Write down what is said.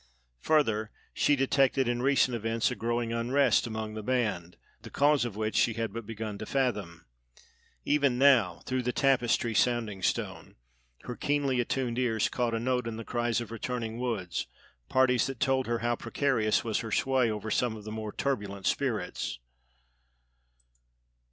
Further, she detected in recent events a growing unrest among the band, the cause of which she had but begun to fathom. Even now, through the tapestry sounding stone, her keenly attuned ears caught a note in the cries of returning woods parties that told her how precarious was her sway over some of the more turbulent spirits.